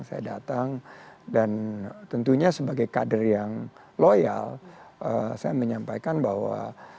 saya datang dan tentunya sebagai kader yang loyal saya menyampaikan bahwa